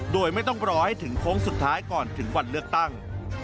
โดยไม่ต้องรอให้ถึงโค้งสุดท้ายก่อนถึงวันเลือกตั้ง